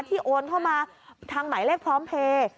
โอนเข้ามาทางหมายเลขพร้อมเพลย์